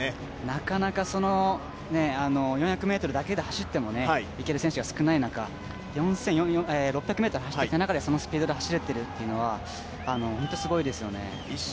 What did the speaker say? なかなか４００ｍだけで走ってもいける選手が少ない中、６００ｍを走ってきた中でそのスピードで走れるというのは本当にすごいですよね。